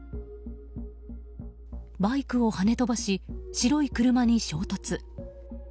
バイクをはね飛ばし白い車に衝突。